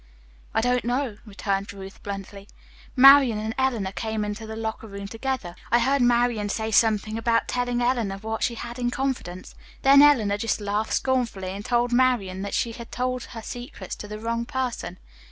"I don't know," returned Ruth bluntly. "Marian and Eleanor came into the locker room together. I heard Marian say something about telling Eleanor what she had in confidence. Then Eleanor just laughed scornfully and told Marian that she had told her secrets to the wrong person.